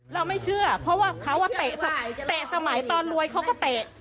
เราไม่เชื่อเพราะว่าเขาเตะสมัยตอนรวยเขาก็เตะ